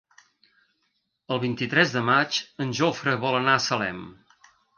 El vint-i-tres de maig en Jofre vol anar a Salem.